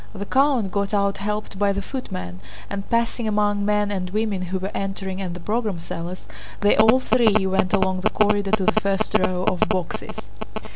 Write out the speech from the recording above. The count got out helped by the footmen, and, passing among men and women who were entering and the program sellers, they all three went along the corridor to the first row of boxes.